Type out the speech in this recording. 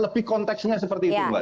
lebih konteksnya seperti itu mbak